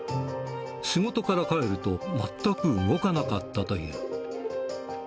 仕事から帰ると、全く動かなかったという。